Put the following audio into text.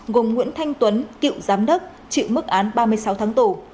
gồm nguyễn thanh tuấn cựu giám đốc chịu mức án ba mươi sáu tháng tù